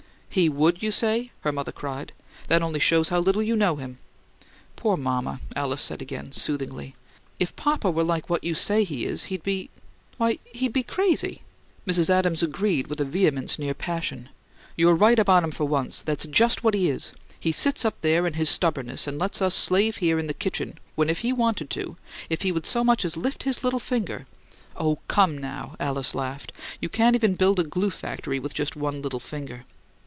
"He would, you say?" her mother cried. "That only shows how little you know him!" "Poor mama!" Alice said again, soothingly. "If papa were like what you say he is, he'd be why, he'd be crazy!" Mrs. Adams agreed with a vehemence near passion. "You're right about him for once: that's just what he is! He sits up there in his stubbornness and lets us slave here in the kitchen when if he wanted to if he'd so much as lift his little finger " "Oh, come, now!" Alice laughed. "You can't build even a glue factory with just one little finger."